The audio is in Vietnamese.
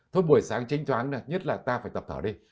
thôi buổi sáng chênh choáng nhất là ta phải tập thở đi